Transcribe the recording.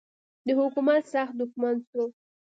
د حکومت سخت دښمن سو.